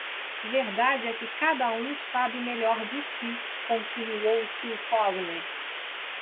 Verdade é que cada um sabe melhor de si, continuou tio Cosme.